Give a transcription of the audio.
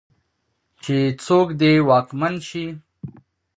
چې څوک دې واکمن شي.